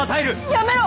やめろ！